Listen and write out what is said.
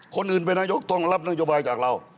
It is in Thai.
คนอื่นเป็นนายกต้องรับนโยบายจากเรา